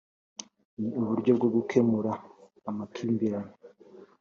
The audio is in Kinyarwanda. Ni Uburyo bwo gukemura amakimbirane